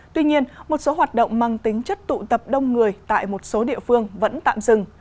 tuy nhiên một số hoạt động mang tính chất tụ tập đông người tại một số địa phương vẫn tạm dừng